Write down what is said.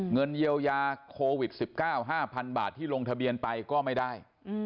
เงินเยียวยาโควิด๑๙๕๐๐บาทที่ลงทะเบียนไปก็ไม่ได้